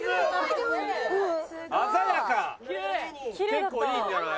結構いいんじゃない？